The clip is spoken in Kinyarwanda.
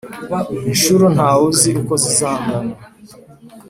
inshuro ntawuzi uko zizangana,